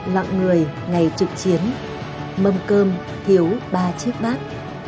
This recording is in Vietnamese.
lặng người ngày trực chiến mâm cơm thiếu ba chiếc bác